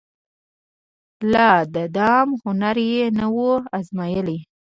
لا د دام هنر یې نه وو أزمېیلی